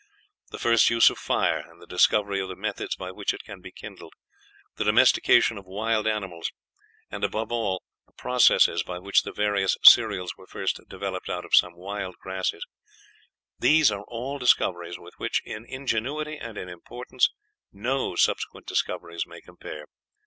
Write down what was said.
The first use of fire, and the discovery of the methods by which it can be kindled; the domestication of wild animals; and, above all, the processes by which the various cereals were first developed out of some wild grasses these are all discoveries with which, in ingenuity and in importance, no subsequent discoveries may compare.